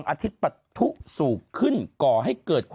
ไม่ต้องจุดกร